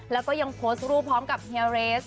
แล้วก็ยังโพสต์รูปพร้อมกับเฮียเรส